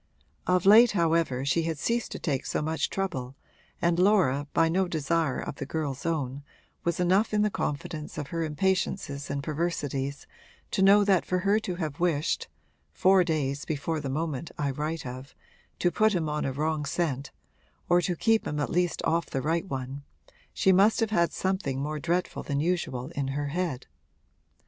Of late however she had ceased to take so much trouble, and Laura, by no desire of the girl's own, was enough in the confidence of her impatiences and perversities to know that for her to have wished (four days before the moment I write of) to put him on a wrong scent or to keep him at least off the right one she must have had something more dreadful than usual in her head.